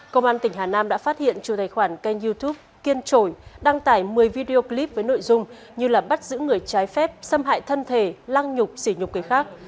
công an tỉnh hà nam đã phát hiện chủ tài khoản kênh youtube kiên trội đăng tải một mươi video clip với nội dung như là bắt giữ người trái phép xâm hại thân thể lăng nhục xỉ nhục người khác